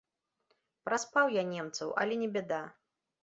Праспаў я немцаў, але не бяда.